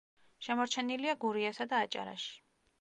შემორჩენილია გურიასა და აჭარაში.